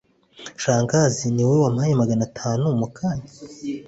Shangazi niwowe wampaye magana atanu mukanya?